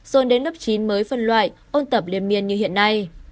dồn đến lớp chín mới phân loại ôn tập liên miên như hiện nay